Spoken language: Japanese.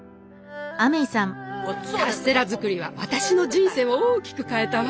カステラ作りは私の人生を大きく変えたわ。